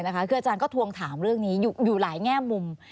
คืออาจารย์ก็ทวงถามเรื่องนี้อยู่หลายแง่มุม